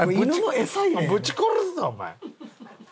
ブチ殺すぞお前。